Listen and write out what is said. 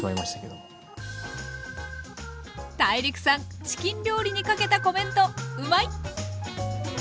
ＴＡＩＲＩＫさんチキン料理にかけたコメントうまい！